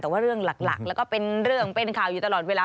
แต่ว่าเรื่องหลักแล้วก็เป็นเรื่องเป็นข่าวอยู่ตลอดเวลา